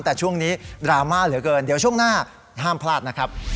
แต่ช่วงนี้ดราม่าเหลือเกินเดี๋ยวช่วงหน้าห้ามพลาดนะครับ